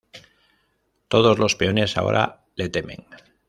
Todos los peones ahora le temen.